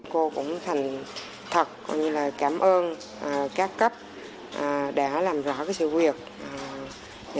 cô cũng thành thật cảm ơn các cấp đã làm rõ sự quyền